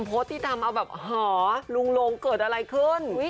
โพสต์ที่ทำเอาแบบหอลุงลงเกิดอะไรขึ้น